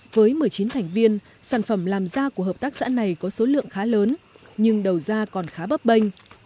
với một mươi chín thành viên sản phẩm làm da của hợp tác xã này có số lượng khá lớn nhưng đầu ra còn khá bấp bênh